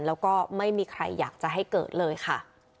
แล้วก็ไม่มีใครอยากจะให้เกิดเลยค่ะ